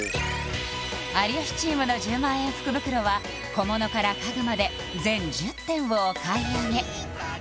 有吉チームの１０万円福袋は小物から家具まで全１０点をお買い上げ